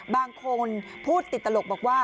บางคนพูดติดตลกบอกว่า